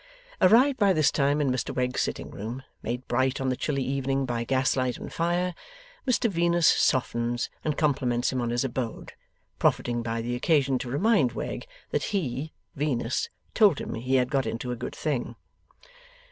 Arrived by this time in Mr Wegg's sitting room, made bright on the chilly evening by gaslight and fire, Mr Venus softens and compliments him on his abode; profiting by the occasion to remind Wegg that he (Venus) told him he had got into a good thing.